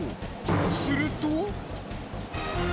すると。